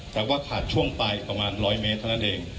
แต่ว่าขาดช่วงไปประมาณ๑๐๐เมตรเท่านั้นเอง